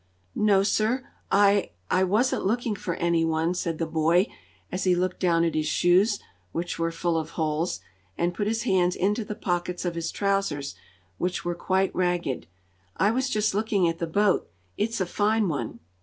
"No, sir, I I wasn't looking for any one," said the boy, as he looked down at his shoes, which were full of holes, and put his hands into the pockets of his trousers, which were quite ragged. "I was just looking at the boat. It's a fine one!"